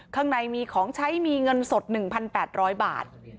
ข้างในมีของใช้มีเงินสดหนึ่งพันแปดร้อยบาท